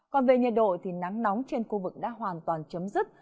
còn về nhiệt độ thì nắng nóng trên khu vực đã hoàn toàn chấm dứt